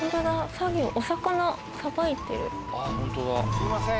すいません